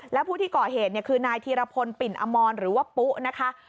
และผู้ที่ก่อเหตุคือนายธีรพลปิ่นอมรหรือว่าปุ๊นะคะ